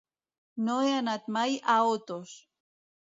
No he anat mai a Otos.